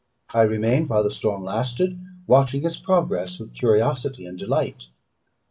I remained, while the storm lasted, watching its progress with curiosity and delight.